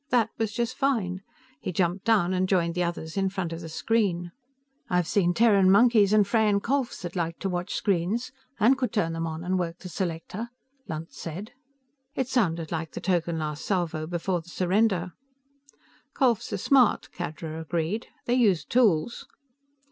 That was just fine; he jumped down and joined the others in front of the screen. "I've seen Terran monkeys and Freyan Kholphs that liked to watch screens and could turn them on and work the selector," Lunt said. It sounded like the token last salvo before the surrender. "Kholphs are smart," Khadra agreed. "They use tools."